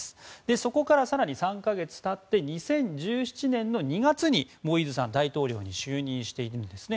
そこから、更に３か月経って２０１７年２月にモイーズさんが大統領に就任しているんですね。